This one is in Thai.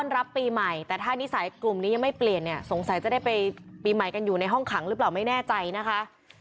รับปีใหม่แต่ถ้านิสัยกลุ่มนี้ยังไม่เปลี่ยนเนี่ยสงสัยจะได้ไปปีใหม่กันอยู่ในห้องขังหรือเปล่าไม่แน่ใจนะคะ